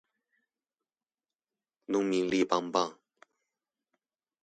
農民曆棒棒